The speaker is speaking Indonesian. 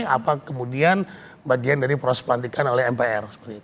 apa kemudian bagian dari proses pelantikan oleh mpr